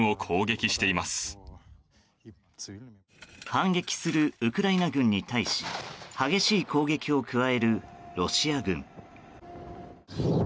反撃するウクライナ軍に対し激しい攻撃を加えるロシア軍。